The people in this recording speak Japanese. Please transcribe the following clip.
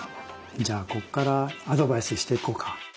じゃあこっからアドバイスしていこうか。